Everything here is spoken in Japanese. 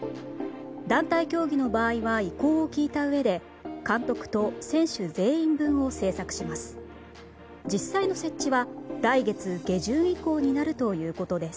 団体競技の場合は意向を聞いたうえで監督と選手全員分を製作します。